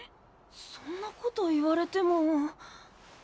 そんなこと言われても。